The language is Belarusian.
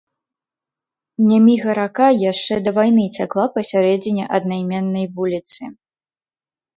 Няміга-рака яшчэ да вайны цякла пасярэдзіне аднайменнай вуліцы.